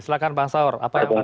silahkan bang saur